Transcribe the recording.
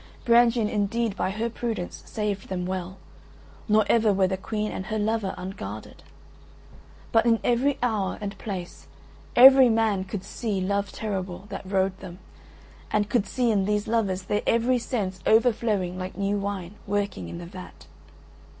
Brangien indeed by her prudence saved them well, nor ever were the Queen and her lover unguarded. But in every hour and place every man could see Love terrible, that rode them, and could see in these lovers their every sense overflowing like new wine working in the vat.